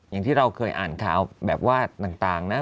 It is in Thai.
อย่างที่เราเคยอ่านข่าวแบบว่าต่างนะ